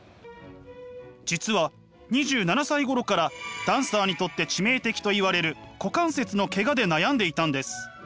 実は２７歳ごろからダンサーにとって致命的といわれる股関節のケガで悩んでいたんです。